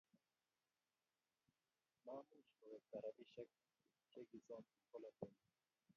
Mamuch kowekta rabisiek chi kisome eng polatet nyin